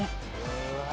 うわ。